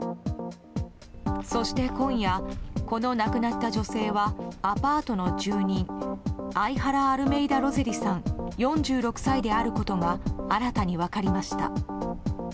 そして今夜この亡くなった女性はアパートの住人アイハラ・アルメイダ・ロゼリさん４６歳であることが新たに分かりました。